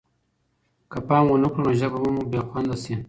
که پام ونه کړو نو ژبه به مو بې خونده شي.